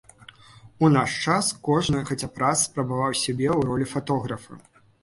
У наш час кожны хаця б раз спрабаваў сябе ў ролі фатографа.